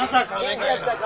元気やったか？